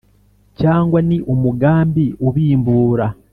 cyangwa ni umugambi ubimbura